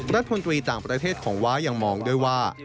รัฐมนตรีต่างประเทศของว้ายังมองด้วยว่า